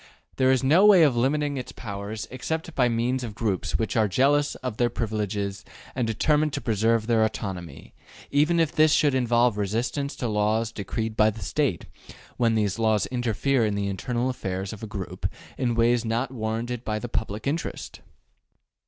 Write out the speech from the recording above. There is no way of limiting its powers except by means of groups which are jealous of their privileges and determined to preserve their autonomy, even if this should involve resistance to laws decreed by the State, when these laws interfere in the internal affairs of a group in ways not warranted by the public interest.